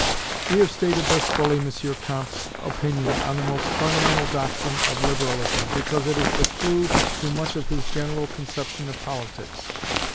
We have stated thus fully M. Comte's opinion on the most fundamental doctrine of liberalism, because it is the clue to much of his general conception of politics.